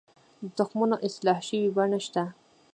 د تخمونو اصلاح شوې بڼې شته؟